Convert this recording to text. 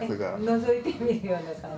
のぞいてみるような感じ。